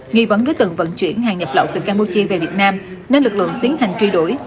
nghi vấn đối tượng vận chuyển hàng nhập lậu từ campuchia về việt nam nên lực lượng tiến hành truy đuổi